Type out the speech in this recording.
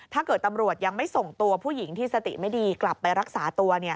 ถ้าเกิดตำรวจยังไม่ส่งตัวผู้หญิงที่สติไม่ดีกลับไปรักษาตัว